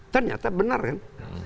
ternyata benar kan